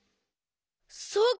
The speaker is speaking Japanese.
そうか。